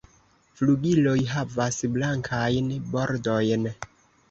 Flugiloj havas blankajn bordojn.